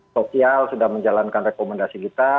sosial sudah menjalankan rekomendasi kita